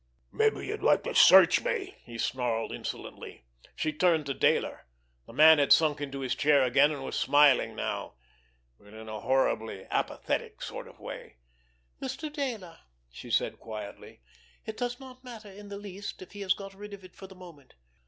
"Maybe you'd like to search me!" he snarled insolently. She turned to Dayler. The man had sunk into his chair again and was smiling now, but in a horribly apathetic sort of way. "Mr. Dayler," she said quietly, "it does not matter in the least if he has got rid of it for the moment.